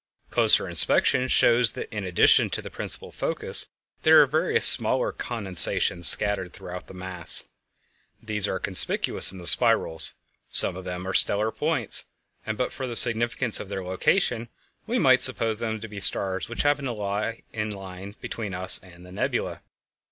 Closer inspection shows that in addition to the principal focus there are various smaller condensations scattered through the mass. These are conspicuous in the spirals. Some of them are stellar points, and but for the significance of their location we might suppose them to be stars which happen to lie in a line between us and the nebula.